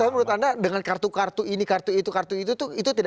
tapi menurut anda dengan kartu kartu ini kartu itu kartu itu tuh itu tuh